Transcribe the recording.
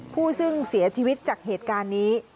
ผู้เสียชีวิตจากเหตุการณ์นี้